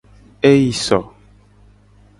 Eyi so.